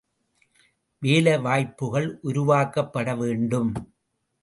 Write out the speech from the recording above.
வேலை வாய்ப்புகள் உருவாக்கப்பட வேண்டும்.